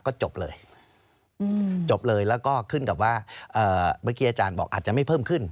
ก็จบเลยจบเลยแล้วก็ขึ้นกับว่าเมื่อกี้อาจารย์บอกอาจจะไม่เพิ่มขึ้น